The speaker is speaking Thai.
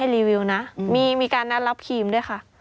อ้าวว่วยังไงต่อค่ะ